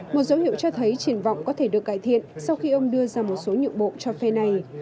một dấu hiệu cho thấy triển vọng có thể được cải thiện sau khi ông đưa ra một số nhượng bộ cho phe này